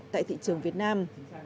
tại thị trường việt nam